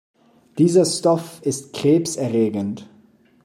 Dieser Stoff ist krebserregend.